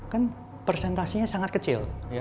kan presentasinya sangat kecil